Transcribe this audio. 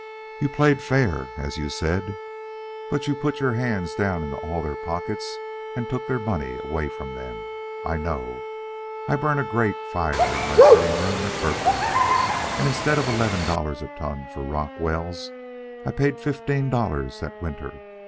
You played fair, as you said, but you put your hands down into all their pockets and took their money away from them. I know. I burn a grate fire in my sitting room at Berkeley. And instead of eleven dollars a ton for Rock Wells, I paid fifteen dollars that winter.